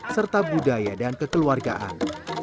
serta budaya dan kekeluargaan